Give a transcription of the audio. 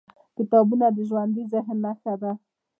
کتابونه د ژوندي ذهن نښه ده.